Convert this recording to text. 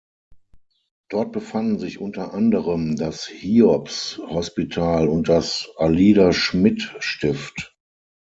Dort befanden sich unter anderem das Hiobs-Hospital und das Alida-Schmidt-Stift.